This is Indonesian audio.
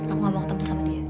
aku gak mau ketemu sama dia